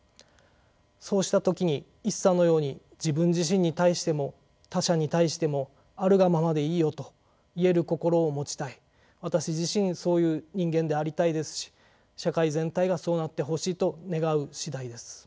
そうした時に一茶のように自分自身に対しても他者に対してもあるがままでいいよと言える心を持ちたい私自身そういう人間でありたいですし社会全体がそうなってほしいと願う次第です。